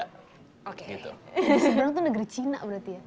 negeri seberang tuh negeri cina berarti ya